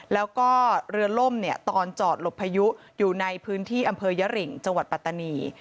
แล้วก็เรือล่มตอนจอดหลบพายุอยู่ในพื้นที่อำเภอยริงจังหวัดปัตตานี